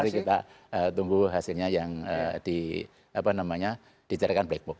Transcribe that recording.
mari kita tunggu hasilnya yang di apa namanya dicarikan black book